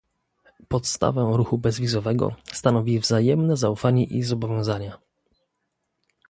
Podstawę ruchu bezwizowego stanowi wzajemne zaufanie i zobowiązania